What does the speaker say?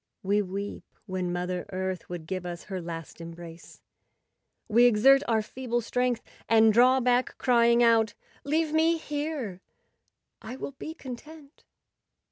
We weep when Mother Earth would give us her last embrace; we exert our feeble strength and draw back, crying out, ''Leave me here; I will be con¬ tent."